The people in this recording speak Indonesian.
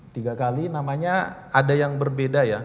tiga kali namanya ada yang berbeda ya